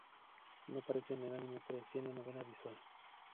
No aparece en el anime pero sí en la novela visual.